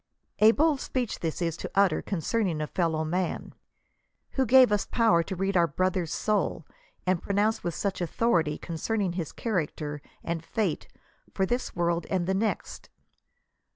A bold speech this to utter concerning a fellow man ! Who gave us power to read our brother*8 soul, and pronounce with such authority concerning his character and fate for this world and the next